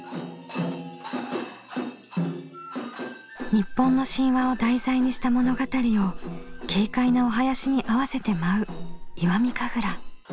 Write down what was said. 日本の神話を題材にした物語を軽快なお囃子に合わせて舞う石見神楽。